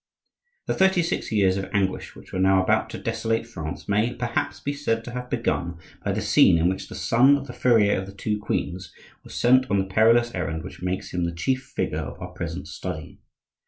The thirty six years of anguish which were now about to desolate France may, perhaps, be said to have begun by the scene in which the son of the furrier of the two queens was sent on the perilous errand which makes him the chief figure of our present Study.